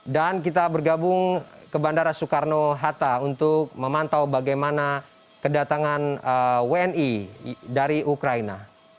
dan kita bergabung ke bandara soekarno hatta untuk memantau bagaimana kedatangan wni dari ukraina